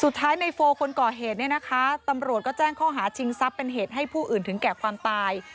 สุดท้ายในโฟคนก่อเหตุเนี่ยนะคะตำรวจก็แจ้งข้อหาชิงทรัพย์เป็นเหตุให้ผู้อื่นถึงแก่ความตาย